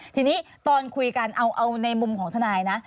ทีนี้ตอนคุยกันเอาในมุมของทนายนะ